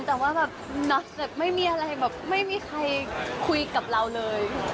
แต่ว่าแบบไม่มีอะไรแบบไม่มีใครคุยกับเราเลย